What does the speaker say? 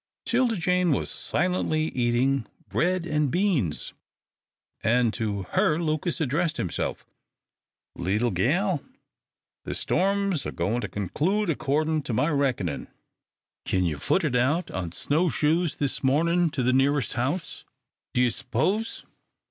'Tilda Jane was silently eating bread and beans, and to her Lucas addressed himself. "Leetle gal, the storm's a goin' to conclude accordin' to my reckonin'. Kin you foot it out on snow shoes this mornin' to the nearest house, do you s'pose?"